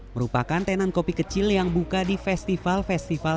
merupakan tenan kopi kecil yang buka di festival festival